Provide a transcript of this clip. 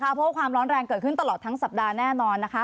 เพราะว่าความร้อนแรงเกิดขึ้นตลอดทั้งสัปดาห์แน่นอนนะคะ